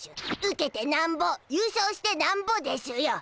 ウケてなんぼ優勝してなんぼでしゅよ。